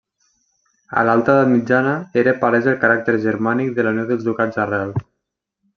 A l'alta edat mitjana era palès el caràcter germànic de la unió dels ducats arrel.